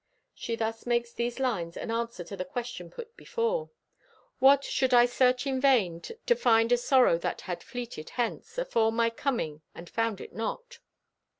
She thus makes these lines an answer to the question put before: What! Should I search in vain To find a sorrow that had fleeted hence Afore my coming and found it not?